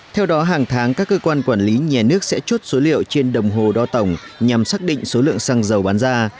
theo đó hàng tháng các cơ quan quản lý nhà nước sẽ chốt số liệu trên đồng hồ đo tổng nhằm xác định số lượng xăng dầu bán ra